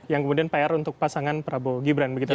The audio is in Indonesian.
yang kemudian pr untuk pasangan prabowo gibran begitu ya